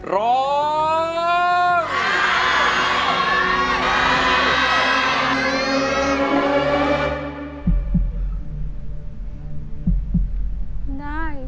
ร้อง